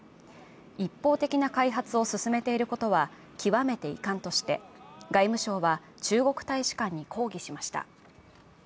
一方的な開発を進めていることは極めて遺憾として外務省は中国大使館に抗議しました。